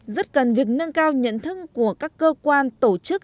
rất cần việc nâng cao nhận thức của các cơ quan tổ chức